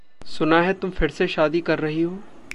सुना है तुम फिर से शादी कर रही हो।